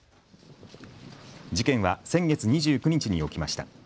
事件は先月２９日に起きました。